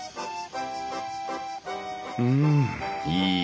うんいい